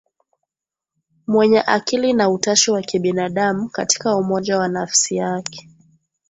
mwenye akili na utashi wa kibinadamu Katika umoja wa nafsi yake